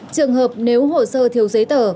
trường hợp nếu hồ sơ thiếu giấy tờ